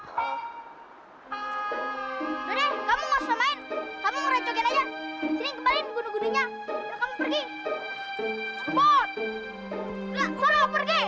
taruh di tangan kamu sentih udah kalau nggak bisa udah deh kamu ikutan main